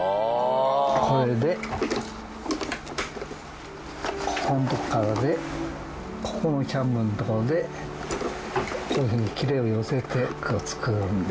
これでここのとこからでここのところでこういうふうにきれを寄せて作るんで。